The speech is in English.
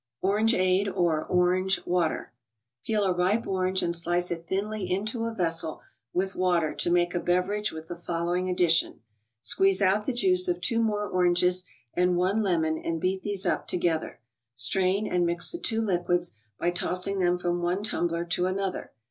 flDrangea&e or Grange fillatcr. Pe r e .'* orange and slice it thinly into a vessel with water to make a beverage with the following addition : Squeeze out the juice of two more oranges and one lemon and beat these up together; strain, and mix the two liquids by tossing them from one tumbler to another.